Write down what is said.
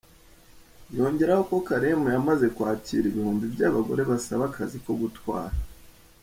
Yongeraho ko Careem yamaze kwakira ibihumbi by’abagore basaba akazi ko gutwara.